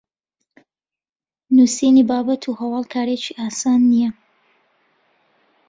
نوسینی بابەت و هەواڵ کارێکی ئاسان نییە